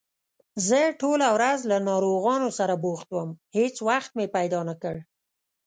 زه ټوله ورځ له ناروغانو سره بوخت وم، هېڅ وخت مې پیدا نکړ